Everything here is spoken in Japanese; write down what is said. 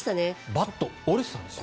バット折れてたんですよ。